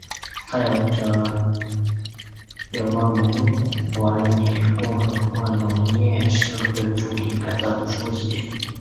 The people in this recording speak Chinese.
他着有有关蒙古人民共和国农业社会主义改造的书籍。